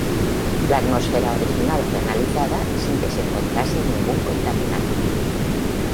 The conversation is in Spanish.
La atmósfera original fue analizada, sin que se encontrase ningún contaminante.